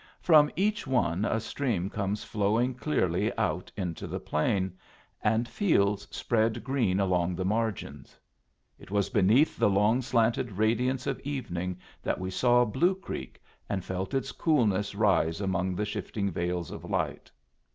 From each one a stream comes flowing clearly out into the plain, and fields spread green along the margins. It was beneath the long slanted radiance of evening that we saw Blue Creek and felt its coolness rise among the shifting veils of light.